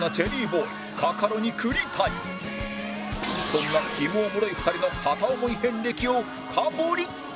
そんなキモおもろい２人の片思い遍歴を深掘り！